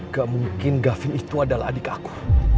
gak mungkin gavin itu adalah adik aku